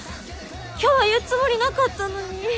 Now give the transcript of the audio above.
今日は言うつもりなかったのに。